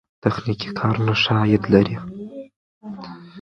تخنیکي کارونه ښه عاید لري.